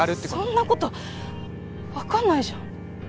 そんな事わかんないじゃん。